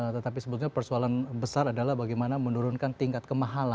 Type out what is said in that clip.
tetapi sebetulnya persoalan besar adalah bagaimana menurunkan tingkat kemahalan